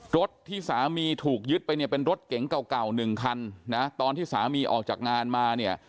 รถที่สามีถูกยึดไปเนี่ยเป็นรถเก๋งเก่าหนึ่งคันนะตอนที่สามีออกจากงานมาเนี่ย